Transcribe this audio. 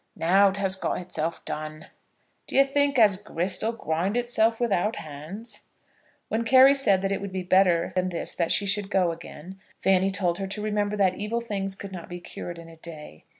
Now't has got itself done. D'ye think as grist 'll grind itself without hands?" When Carry said that it would be better than this that she should go again, Fanny told her to remember that evil things could not be cured in a day.